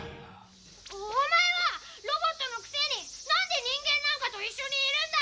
お前はロボットのくせに何で人間なんかと一緒にいるんだ！